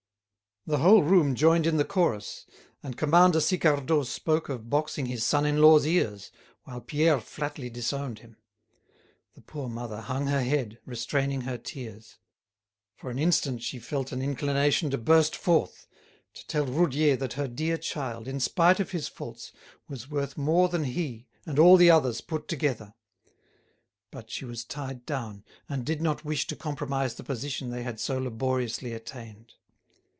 The whole room joined in the chorus, and Commander Sicardot spoke of boxing his son in law's ears, while Pierre flatly disowned him. The poor mother hung her head, restraining her tears. For an instant she felt an inclination to burst forth, to tell Roudier that her dear child, in spite of his faults, was worth more than he and all the others put together. But she was tied down, and did not wish to compromise the position they had so laboriously attained.